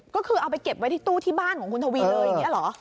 ก็คือเอาไปเก็บไว้ที่ตู้ที่บ้านของคุณทวีเลยอย่างนี้เหรอ